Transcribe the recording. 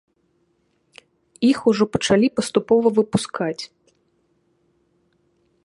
Іх ужо пачалі паступова выпускаць.